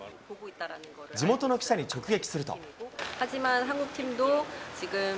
地元の記者に直撃すると。